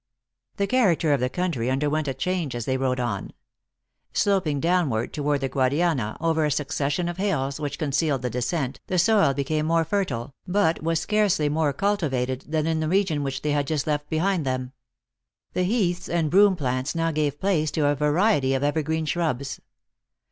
The character of the country underwent a change as they rode on. Sloping downward toward the Gnadiana, over a succession of hills which concealed the descent, the soil became more fertile, but was scarcely more cultivated than in the region which they had just left behind them. The heaths and broom plants now gave place to a variety of ever green shrubs.